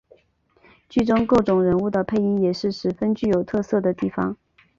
剧中各种人物的配音也是十分具有特色的地方。